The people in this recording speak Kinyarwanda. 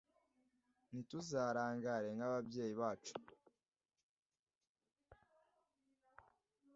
ntituzarangare nka ab’ababyeyi bacu